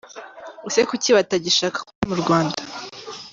Ese kuki batagishaka kuba mu Rwanda?